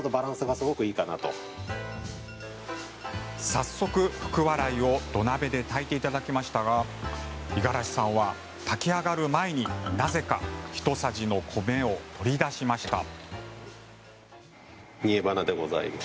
早速、福、笑いを土鍋で炊いていただきましたが五十嵐さんは炊き上がる前になぜかひとさじの米を取り出しました。